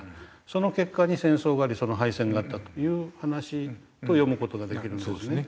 その結果に戦争があり敗戦があったという話と読む事ができるんですね。